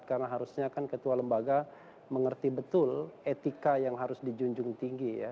karena harusnya kan ketua lembaga mengerti betul etika yang harus dijunjung tinggi ya